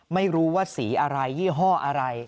ไม่รู้ว่าสีอะไรยี่ห้ออะไร